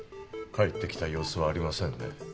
帰ってきた様子はありませんね。